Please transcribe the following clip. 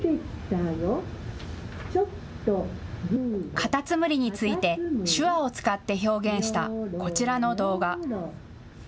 かたつむりについて手話を使って表現したこちらの動画。